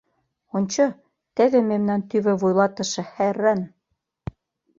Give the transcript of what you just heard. Ончо, теве мемнан, тӱвӧ вуйлатыше хӓрран.